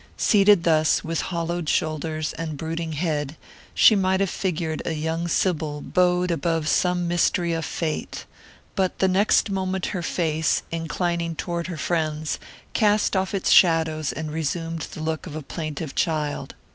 Seated thus, with hollowed shoulders and brooding head, she might have figured a young sibyl bowed above some mystery of fate; but the next moment her face, inclining toward her friend's, cast off its shadows and resumed the look of a plaintive child.